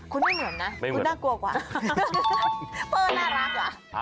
คุณไม่เหมือนนะน่ากลัวกว่ะ